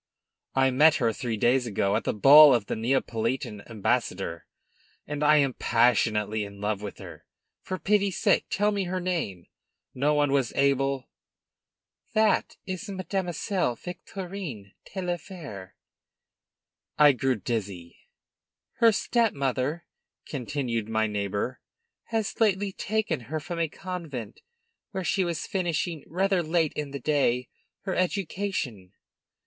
"I met her, three days ago, at the ball of the Neapolitan ambassador, and I am passionately in love with her. For pity's sake tell me her name. No one was able " "That is Mademoiselle Victorine Taillefer." I grew dizzy. "Her step mother," continued my neighbor, "has lately taken her from a convent, where she was finishing, rather late in the day, her education.